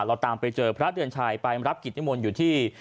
เราตามไปเจอพระเดือนชัยไปรับกิจนิมนต์อยู่ที่